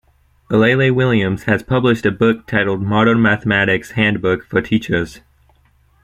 Alele-Williams has published a book titled "Modern Mathematics Handbook for Teachers".